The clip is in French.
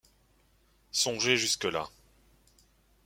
Songer jusque-là